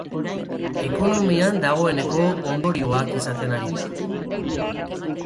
Ekonomian dagoeneko ondorioak izaten ari da.